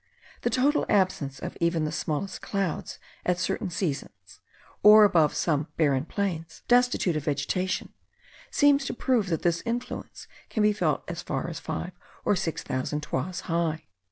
The total absence of even the smallest clouds, at certain seasons, or above some barren plains destitute of vegetation, seems to prove that this influence can be felt as far as five or six thousand toises high.